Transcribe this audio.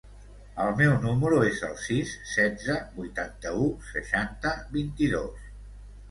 El meu número es el sis, setze, vuitanta-u, seixanta, vint-i-dos.